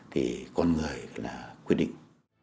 thì con người là quyết định